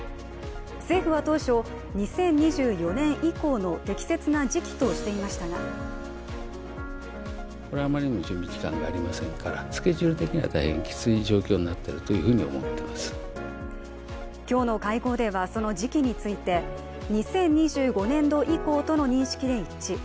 政府は当初、２０２４年以降の適切な時期としていましたが今日の会合ではその時期について、２０２５年度以降との認識で一致。